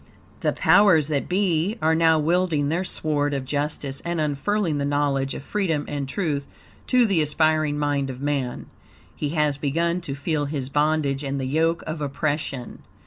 The powers that be, are now wielding their sword of justice, and unfurling the knowledge of freedom and truth to the aspiring mind of man. He has begun to feel his bondage and the yoke of oppression.